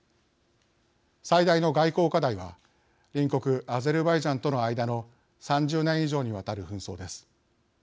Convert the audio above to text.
最大の外交課題は隣国アゼルバイジャンとの間の３０年以上にわたる紛争です。